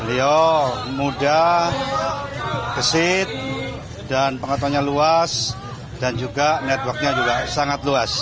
beliau muda gesit dan pengetahuannya luas dan juga networknya juga sangat luas